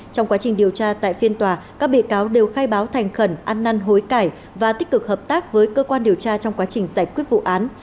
trong quá trình điều tra tại phiên tòa các bị cáo đều khai báo thành khẩn ăn năn hối cải và tích cực hợp tác với cơ quan điều tra trong quá trình giải quyết vụ án